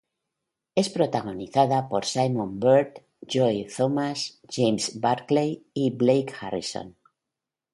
Es protagonizada por Simon Bird, Joe Thomas, James Buckley y Blake Harrison.